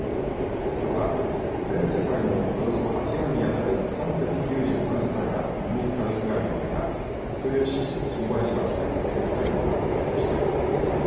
きょうは、全世帯のおよそ８割にあたる３９３世帯が水につかる被害を受けた人吉市下林町で設置作業が行われました。